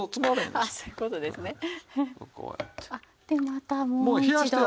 でまたもう一度。